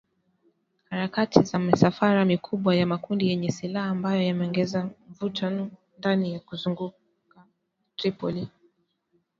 Harakati za misafara mikubwa ya makundi yenye silaha ambayo yameongeza mvutano ndani na kuzunguka Tripoli,